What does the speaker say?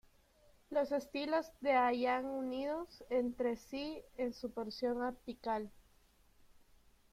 Los estilos de hallan unidos entre sí en su porción apical.